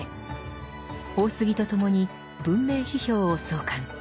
大杉とともに「文明批評」を創刊。